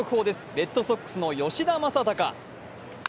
レッドソックスの吉田正尚。